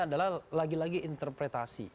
adalah lagi lagi interpretasi